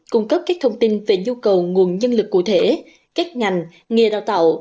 cung cấp các thông tin về nhu cầu nguồn nhân lực cụ thể các ngành nghề đào tạo